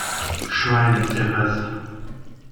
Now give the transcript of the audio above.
Schweigen ist der Rest.